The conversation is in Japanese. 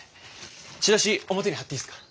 チラシ表に貼っていいっすか？